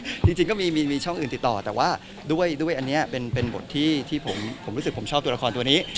จริงก็มีมีช่องอื่นติดต่อแต่ว่าด้วยอันนี้เป็นบทที่ผมรู้สึกผมชอบตัวละครตัวนี้